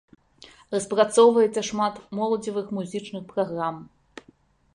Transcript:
Распрацоўваецца шмат моладзевых музычных праграм.